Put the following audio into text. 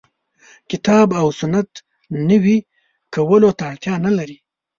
کتاب او سنت نوي کولو ته اړتیا نه لري.